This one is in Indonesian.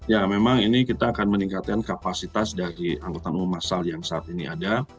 ya memang ini kita akan meningkatkan kapasitas dari angkutan umum masal yang saat ini ada